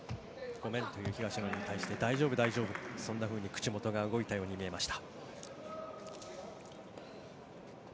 ごめんという東野に対して大丈夫、大丈夫と口元が動いたように見えました。